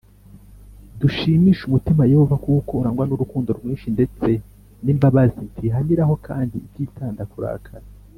Dushimishe umutima wa Yehova kuko urangwa nurukundo rwinshi ndetse ni mbabazi ntihaniraho kandi ititanda kurakara.